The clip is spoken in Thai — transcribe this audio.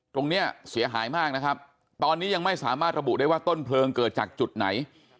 ตรงนี้เสียหายมากนะครับตอนนี้ยังไม่สามารถระบุได้ว่าต้นเพลิงเกิดจากจุดไหน